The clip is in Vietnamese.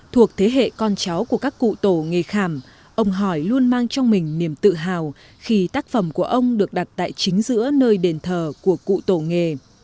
thuộc thế hệ con cháu của các cụ tổ nghề khảm ông hỏi luôn mang trong mình niềm tự hào khi tác phẩm của ông được đặt tại chính giữa nơi đền thờ của cụ tổ nghề